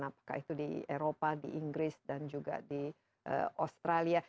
apakah itu di eropa di inggris dan juga di australia